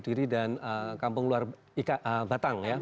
dan kampung luar batang ya